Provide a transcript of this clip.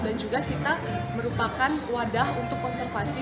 dan juga kita merupakan wadah untuk konservasi